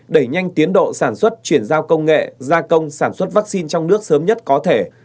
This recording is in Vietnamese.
đẩy nhanh tiến độ sản xuất chuyển giao công nghệ gia công sản xuất vaccine trong nước sớm nhất có thể